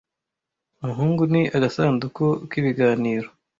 muhungu ni agasanduku k'ibiganiro.